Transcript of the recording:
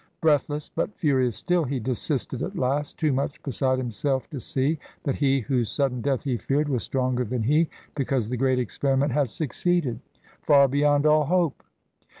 Breathless but furious still, he desisted at last, too much beside himself to see that he whose sudden death he feared was stronger than he, because the great experiment had succeeded far beyond all hope.